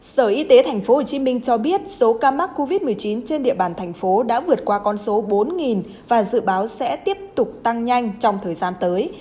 sở y tế thành phố hồ chí minh cho biết số ca mắc covid một mươi chín trên địa bàn thành phố đã vượt qua con số bốn và dự báo sẽ tiếp tục tăng nhanh trong thời gian tới